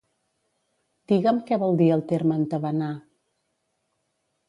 Digue'm què vol dir el terme entabanar.